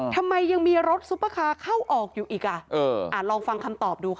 ทำไมยังมีรถซุปเปอร์คาร์เข้าออกอยู่อีกอ่ะเอออ่าลองฟังคำตอบดูค่ะ